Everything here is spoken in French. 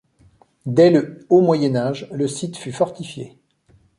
Dès le haut Moyen Âge le site fut fortifié.